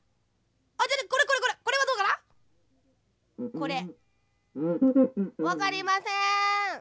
これわかりません。